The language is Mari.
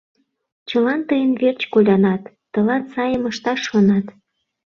Чылан тыйын верч колянат, тылат сайым ышташ шонат.